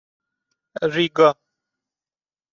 ریگا